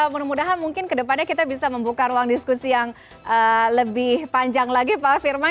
mudah mudahan mungkin kedepannya kita bisa membuka ruang diskusi yang lebih panjang lagi pak firman